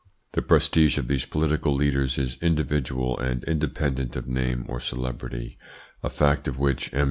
The prestige of these political leaders is individual, and independent of name or celebrity: a fact of which M.